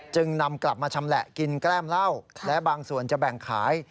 จึงนำกลับมาชำแหละกินแก้มเหล้าและบางส่วนจะแบ่งขาย